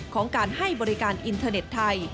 ของการให้บริการอินเทอร์เน็ตไทย